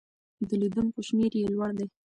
د لیدونکو شمېر یې لوړ دی.